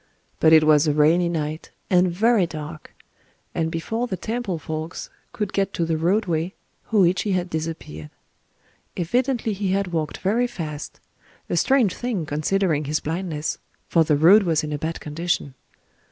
But it was a rainy night, and very dark; and before the temple folks could get to the roadway, Hōïchi had disappeared. Evidently he had walked very fast,—a strange thing, considering his blindness; for the road was in a bad condition.